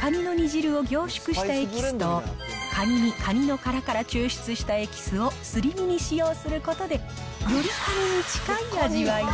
カニの煮汁を凝縮したエキスとカニにカニの殻から抽出したエキスをすり身に使用することで、よりカニに近い味わいに。